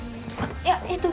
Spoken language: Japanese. いやえーっと